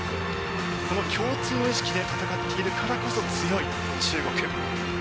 この共通の意識で戦っているからこそ強い中国。